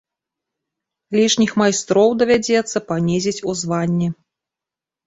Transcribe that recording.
Лішніх майстроў давядзецца панізіць у званні.